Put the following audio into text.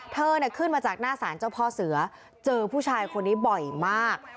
เธอขึ้นมาจากหน้าศาลเจ้าพ่อเสือเจอผู้ชายคนนี้บ่อยมาก